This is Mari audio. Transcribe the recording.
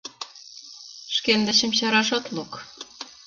Шкендычым чараш от лук?